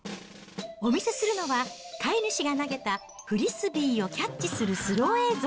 お見せするのは、飼い主が投げたフリスビーをキャッチするスロー映像。